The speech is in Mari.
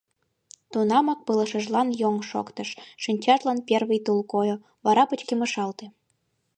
Тунамак пылышыжлан йоҥ шоктыш, шинчажлан первый тул койо, вара пычкемышалте.